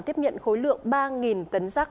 tiếp nhận khối lượng ba tấn rác